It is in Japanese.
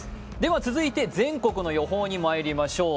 続いて全国の予報にまいりましょう。